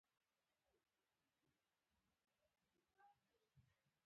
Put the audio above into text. د خیاطۍ دوکانونه د ښځو لپاره شته؟